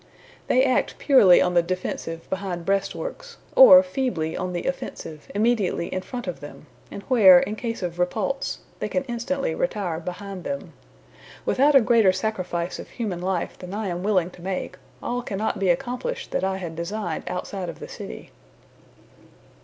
They act purely on the defensive behind breastworks, or feebly on the offensive immediately in front of them, and where, in case of repulse, they can instantly retire behind them. Without a greater sacrifice of human life than I am willing to make, all cannot be accomplished that I had designed outside of the city."